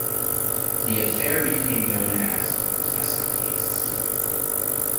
The affair became known as the "Tessa-case".